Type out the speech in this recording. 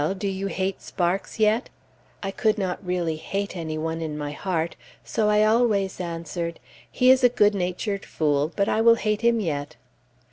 do you hate Sparks yet?" I could not really hate any one in my heart, so I always answered, "He is a good natured fool, but I will hate him yet."